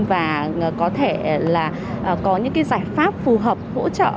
và có thể là có những cái giải pháp phù hợp hỗ trợ